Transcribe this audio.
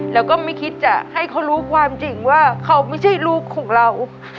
แล้วก็ไม่คิดจะให้เขารู้ความจริงว่าเขาไม่ใช่ลูกของเรา